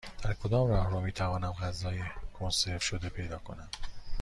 در کدام راهرو می توانم غذای کنسرو شده پیدا کنم؟